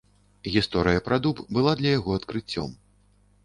Гісторыя пра дуб была для яго адкрыццём.